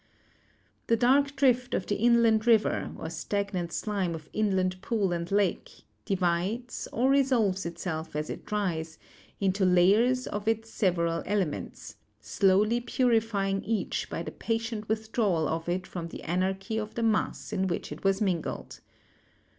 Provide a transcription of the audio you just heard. The dark drift of the inland river, or stagnant slime of inland pool and lake, divides, or resolves itself as it dries, into layers of its several elements; slowly purify ing each by the patient withdrawal of it from the anarchy of the mass in which it was mingled.